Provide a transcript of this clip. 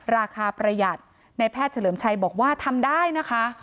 ประหยัดในแพทย์เฉลิมชัยบอกว่าทำได้นะคะ